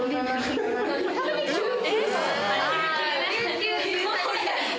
え⁉